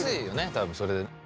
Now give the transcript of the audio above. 多分それで。